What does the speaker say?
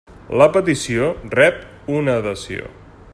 La petició rep una adhesió.